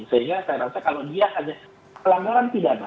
sehingga saya rasa kalau dia